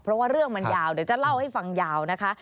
เพราะว่าเรื่องมันยาวเดี๋ยวจะเล่าให้ฟังยาวนะคะ